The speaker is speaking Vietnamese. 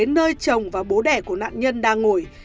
nơi chồng và bố đẻ của nạn nhân đang ngồi